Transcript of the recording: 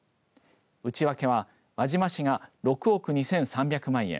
内訳は輪島市が６億２３００万円